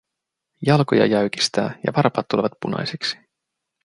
Jalkoja jäykistää ja varpaat tulevat punaisiksi.